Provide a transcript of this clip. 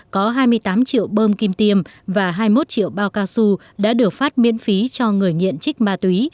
có hai mươi tám triệu bơm kim tiêm và hai mươi một triệu bao cao su đã được phát miễn phí cho người nghiện trích ma túy